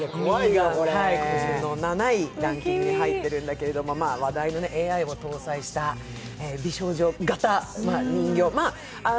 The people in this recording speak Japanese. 今週の７位にランキングに入ってるんだけれども、話題のＡＩを搭載した美少女型人形。